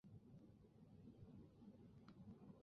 身处狱外的苏克雷则因受胁迫而必须搭救贝里克。